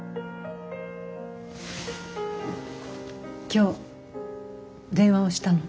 今日電話をしたの。